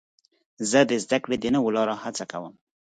زه د زدهکړې د نوو لارو هڅه کوم.